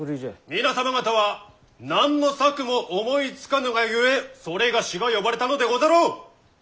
皆様方は何の策も思いつかぬがゆえ某が呼ばれたのでござろう！